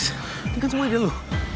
ini kan semua ide lo